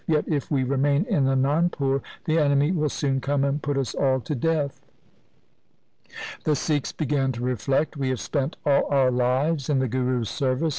Yet if we remain in Anandpur, the enemy will soon come and put us all to death.' The Sikhs began to reflect —' We have spent all our lives in the Guru's service.